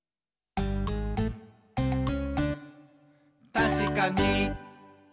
「たしかに！」